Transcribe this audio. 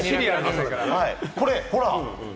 これ、ほら！